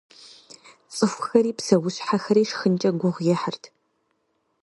Цӏыхухэри псэущхьэхэри шхынкӏэ гугъу ехьырт.